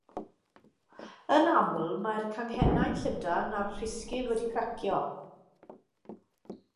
Yn aml, mae'r canghennau'n llydan a'r rhisgl wedi cracio.